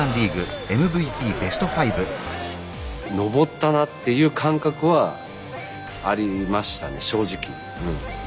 すごいな。っていう感覚はありましたね正直。